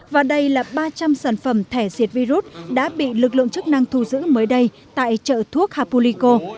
và đây là ba trăm linh sản phẩm thẻ diệt virus đã bị lực lượng chức năng thu giữ mới đây tại chợ thuốc hapulico